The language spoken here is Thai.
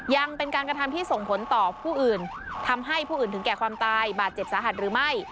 ยังเป็นการกระทำที่ส่งผลต่อผู้อื่นทำให้ผู้อื่นถึงแก่ความตายบาดเจ็บสาหัสหรือไม่